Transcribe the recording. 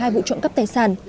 một mươi hai vụ trộm cắp tài sản